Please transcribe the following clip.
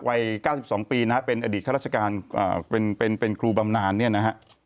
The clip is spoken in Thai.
วัยเก้าสิบสองปีนะฮะเป็นอดีตท่ารัศกาลอ่าเป็นเป็นเป็นครูบำนานเนี้ยนะฮะ